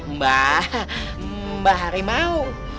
mbah mbah harimau